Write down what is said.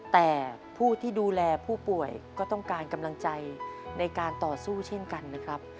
แต่ผู้ที่ดูแลผู้ป่วยก็ต้องการกำลังใจในการต่อสู้เช่นกันนะครับ